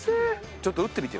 ちょっと撃ってみてよ。